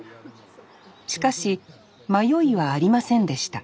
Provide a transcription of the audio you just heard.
しかし迷いはありませんでした